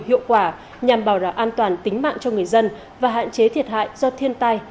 hiệu quả nhằm bảo đảm an toàn tính mạng cho người dân và hạn chế thiệt hại do thiên tai